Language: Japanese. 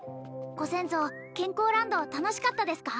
ご先祖健康ランド楽しかったですか？